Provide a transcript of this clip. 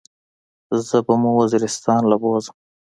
زه به مو وزيرستان له بوزم.